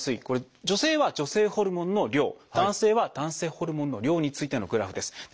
これ女性は女性ホルモンの量男性は男性ホルモンの量についてのグラフです。